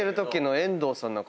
遠藤さんの顔？